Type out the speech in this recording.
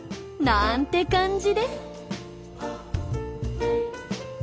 なんて感じです。